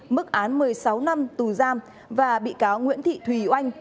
mức án một mươi sáu năm tù giam và bị cáo nguyễn thị thùy oanh